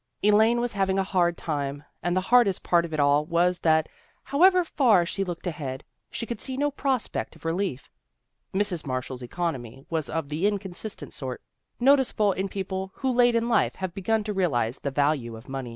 Elaine was having a hard tune, and the hardest part of it all was that, however far she looked ahead, she could see no prospect of relief. Mrs. Marshall's economy was of the inconsistent sort, noticeable in people who late in life have begun to realize the value of money.